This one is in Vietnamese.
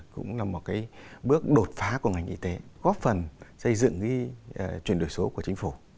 cũng là một bước đột phá của ngành y tế góp phần xây dựng chuyển đổi số của chính phủ